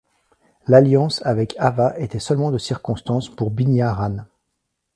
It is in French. L'alliance avec Ava était seulement de circonstance pour Binnya Ran.